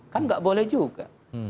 kan tidak boleh juga